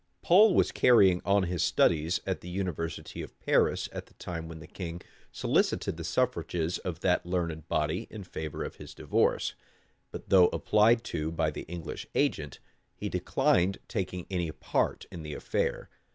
Pole was carrying on his studies in the university of Paris at the time when the king solicited the suffrages of that learned body in favor of his divorce; but though applied to by the English agent, he declined taking any part in the affair.